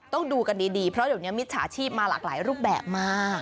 ต้องดูกันดีเพราะเดี๋ยวนี้มิจฉาชีพมาหลากหลายรูปแบบมาก